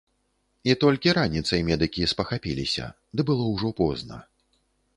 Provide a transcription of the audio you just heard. І толькі раніцай медыкі спахапіліся, ды было ўжо позна.